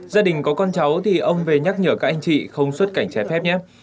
gia đình có con cháu thì ông về nhắc nhở các anh chị không xuất cảnh trái phép nhé